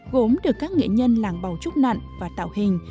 gốm được các nghệ nhân làng bảo trúc nặn và tạo hình